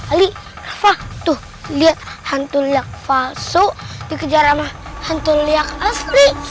ali wah tuh lihat hantu liak palsu dikejar sama hantu liak asli